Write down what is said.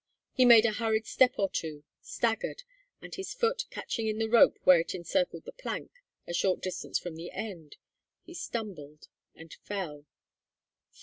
He made a hurried step or two, staggered, and, his foot catching in the rope where it encircled the plank a short distance from the end, he stumbled and fell.